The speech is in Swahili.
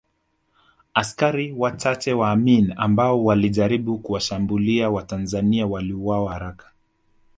Askari wachache wa Amin ambao walijaribu kuwashambulia Watanzania waliuawa haraka